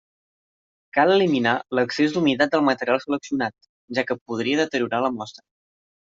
Cal eliminar l'excés d'humitat del material seleccionat, ja que podria deteriorar la mostra.